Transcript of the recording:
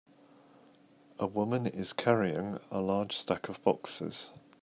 A woman is carrying a large stack of boxes.